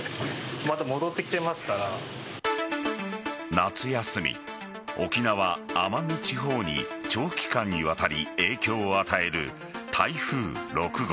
夏休み、沖縄・奄美地方に長期間にわたり影響を与える台風６号。